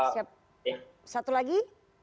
siap satu lagi